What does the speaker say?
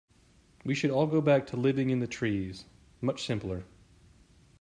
We should all go back to living in the trees, much simpler.